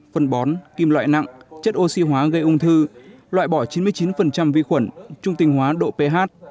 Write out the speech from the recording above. phân bón kim loại nặng chất oxy hóa gây ung thư loại bỏ chín mươi chín vi khuẩn trung tình hóa độ ph